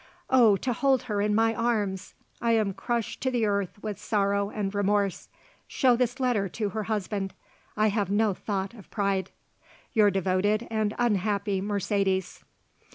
Oh, to hold her in my arms! I am crushed to the earth with sorrow and remorse. Show this letter to her husband. I have no thought of pride. "Your devoted and unhappy Mercedes."